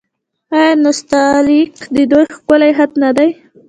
آیا نستعلیق د دوی ښکلی خط نه دی؟